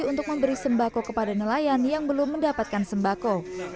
untuk memberi sembako kepada nelayan yang belum mendapatkan sembako